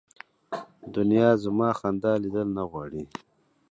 دنیا زما خندا لیدل نه غواړي